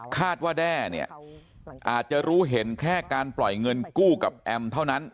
แด้เนี่ยอาจจะรู้เห็นแค่การปล่อยเงินกู้กับแอมเท่านั้น